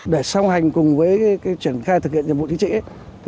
để xong hành cùng với chuyển khai thực hiện nhiệm vụ chính trị